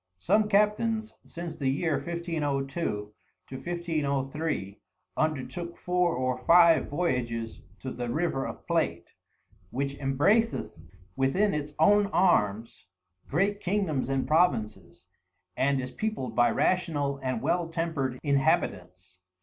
Some Captains since the Year 1502 to 1503 undertook Four or Five Voyages to the River of Plate, which embraceth within its own Arms great Kingdoms and Provinces, and is peopled by rational and well temper'd Inhabitants.